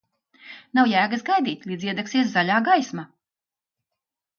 Nav jēgas gaidīt, līdz iedegsies zaļā gaisma.